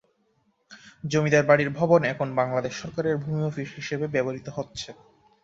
জমিদার বাড়ির ভবন এখন বাংলাদেশ সরকারের ভূমি অফিস হিসেবে ব্যবহৃত হচ্ছে।